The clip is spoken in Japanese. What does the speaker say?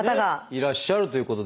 いらっしゃるということですね。